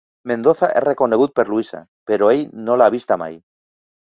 Mendoza és reconegut per Louisa, però ell no l'ha vista mai.